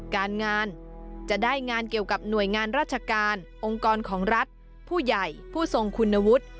การงานจะได้งานเกี่ยวกับหน่วยงานราชการองค์กรของรัฐผู้ใหญ่ผู้ทรงคุณวุฒิ